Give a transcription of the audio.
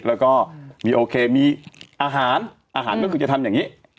แล้วก็มีอาหารก็คือจะทำอย่างนี้